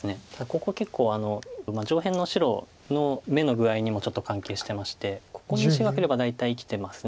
ここ結構上辺の白の眼の具合にもちょっと関係してましてここに石がくれば大体生きてます